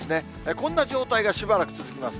こんな状態がしばらく続きます。